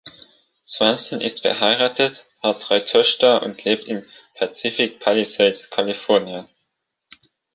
Svenson ist verheiratet, hat drei Töchter und lebt in Pacific Palisades, Kalifornien.